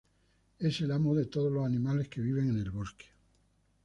Es el amo de todos los animales que viven en el bosque.